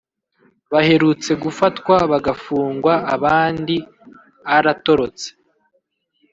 baherutse gufatwa bagafungwa abandiaaratorotse